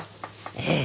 ええ。